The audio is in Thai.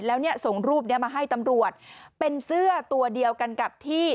แล้วเนี่ยส่งรูปนี้มาให้ตำรวจเป็นเสื้อตัวเดียวกันกับที่